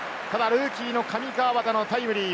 ルーキーの上川畑のタイムリー。